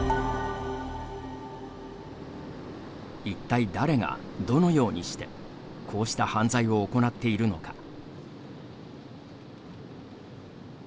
一体誰が、どのようにしてこうした犯罪を行っているのか。